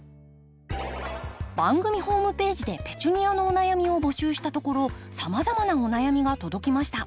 番組ホームページでペチュニアのお悩みを募集したところさまざまなお悩みが届きました。